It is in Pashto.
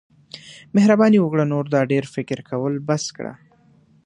مهرباني وکړه نور دا ډیر فکر کول بس کړه.